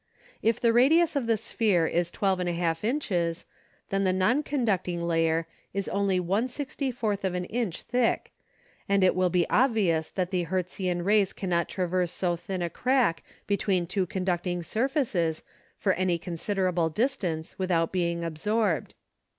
If the radius of the sphere is \2l/2" ', then the non conducting layer is only 1/64" thick and it will be obvious that the Hertzian rays cannot traverse so thin a crack be tween two conducting surfaces for any considerable distance, without being ab sorbed.